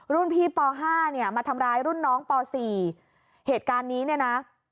รุ่นพี่ป๕มาทำร้ายรุ่นน้องป๔เหตุการณ์นี้นะ